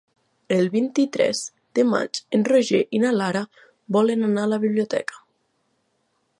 El vint-i-tres de maig en Roger i na Lara volen anar a la biblioteca.